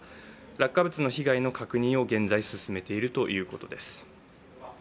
落下物の被害の確認を現在進めているということです。